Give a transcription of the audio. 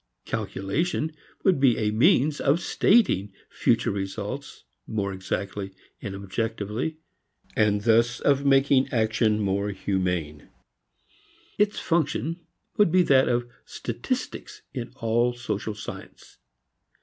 Calculation would be a means of stating future results more exactly and objectively and thus of making action more humane. Its function would be that of statistics in all social science.